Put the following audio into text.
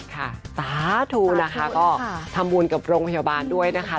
สาธุนะคะก็ทำบุญกับโรงพยาบาลด้วยนะคะ